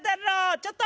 ちょっと！